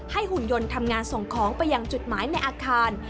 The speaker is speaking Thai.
หุ่นยนต์ทำงานส่งของไปยังจุดหมายในอาคาร